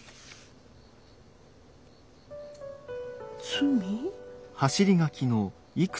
「罪」？